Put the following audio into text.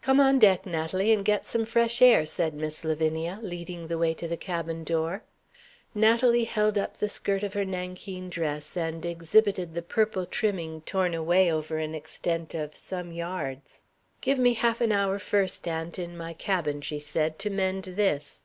"Come on deck, Natalie, and get some fresh air," said Miss Lavinia, leading the way to the cabin door. Natalie held up the skirt of her nankeen dress, and exhibited the purple trimming torn away over an extent of some yards. "Give me half an hour first, aunt, in my cabin," she said, "to mend this."